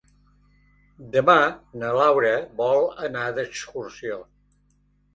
Demà na Laura vol anar d'excursió.